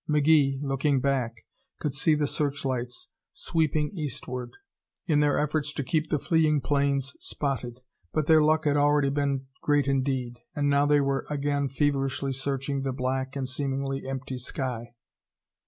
McGee, looking back, could see the searchlights sweeping eastward in their efforts to keep the fleeing planes spotted. But their luck had already been great indeed, and now they were again feverishly searching the black and seemingly empty sky.